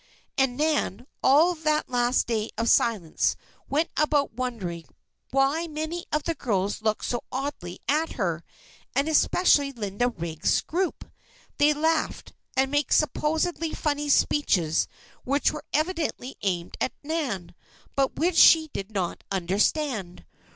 And Nan, all that last day of silence, went about wondering why many of the girls looked so oddly at her, and especially Linda Riggs' group. They laughed, and made supposedly funny speeches which were evidently aimed at Nan, but which she did not understand.